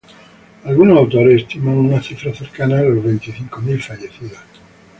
Algunos autores estiman una cifra cercana a los veinticinco mil fallecidos.